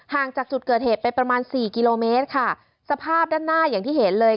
จากจุดเกิดเหตุไปประมาณสี่กิโลเมตรค่ะสภาพด้านหน้าอย่างที่เห็นเลย